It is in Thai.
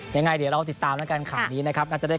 ยังไงเดี๋ยวเราติดตามแล้วกันข่าวนี้นะครับ